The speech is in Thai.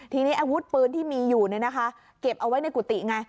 ทีนี้อาวุธปืนที่มีอยู่เก็บเอาไว้ในกุฏิไง